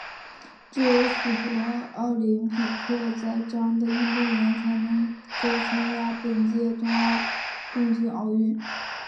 只有符合奥林匹克宪章的运动员才能够参加本届东京奥运。